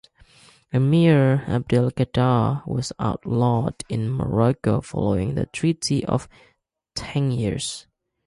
Emir Abdelkader was outlawed in Morocco following the Treaty of Tangiers.